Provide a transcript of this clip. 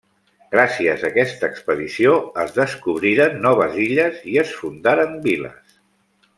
Gràcies a aquesta expedició es descobriren noves illes i es fundaren viles.